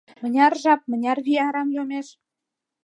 Мыняр жап, мыняр вий арам йомеш.